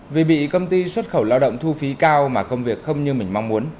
vì bị công ty xuất khẩu lao động thu phí cao mà công việc không như mình mong muốn